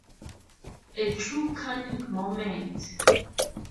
A true canid moment.